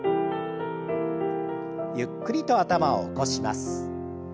ゆっくりと頭を起こします。